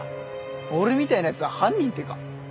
俺みたいな奴は犯人ってか？